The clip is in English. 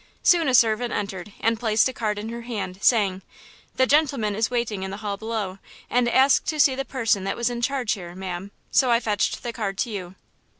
Soon a servant entered and placed a card in her hand, saying: "The gentleman is waiting in the hall below, and asked to see the person that was in charge here, ma'am; so I fetch the card to you."